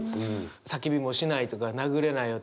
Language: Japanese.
「叫びもしない」とか「殴れないよ」